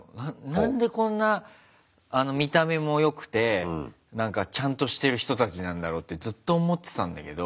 何でこんな見た目もよくてちゃんとしてる人たちなんだろうってずっと思ってたんだけど。